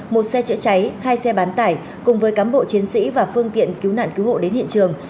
một xe chữa cháy hai xe bán tải cùng với cám bộ chiến sĩ và phương tiện cứu nạn cứu hộ đến hiện trường